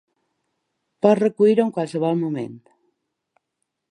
Pot recollir-ho en qualsevol moment.